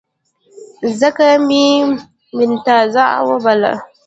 ځکه مې متنازعه وباله.